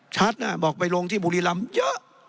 ชัดอ่ะบอกไปลงที่บุรีรัมป์เยอะ